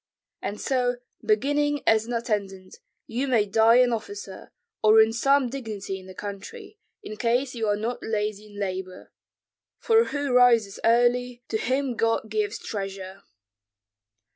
And so, beginning as an attendant, you may die an officer, or in some dignity in the country, in case you are not lazy in labor; for whoso rises early, to him God gives treasure."